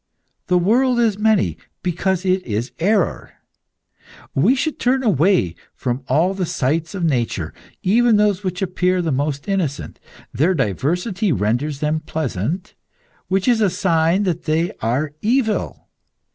The world is many, because it is error. We should turn away from all the sights of nature, even those which appear the most innocent. Their diversity renders them pleasant, which is a sign that they are evil.